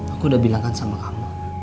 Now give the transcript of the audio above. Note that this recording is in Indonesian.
aku udah bilang kan sama kamu